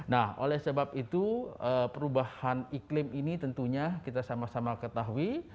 nah oleh sebab itu perubahan iklim ini tentunya kita sama sama ketahui